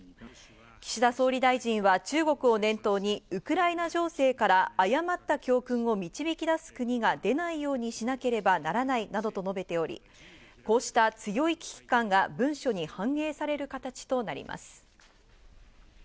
岸田総理大臣は中国を念頭に、ウクライナ情勢から誤った教訓を導き出す国が出ないようにしなければならないなどと述べており、こうした強い危機感が文章に反映される形となります。